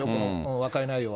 和解内容は。